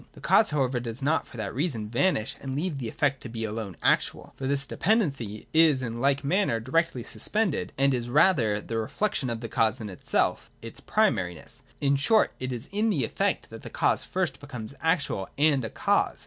The cause however does not for that reason vanish and leave the effect to be alone actual. For this dependency is in like manner directly suspended, and is rather the reflection of the cause in itself, its primariness : in short, it is in the effect that the cause first becomes actual and a cause.